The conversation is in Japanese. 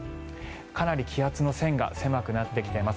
かなり気圧の線が狭くなってきています。